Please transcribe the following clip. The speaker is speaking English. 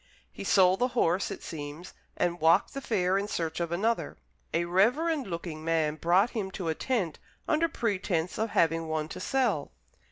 He sold the horse, it seems, and walked the fair in search of another. A reverend looking man brought him to a tent, under pretence of having one to sell.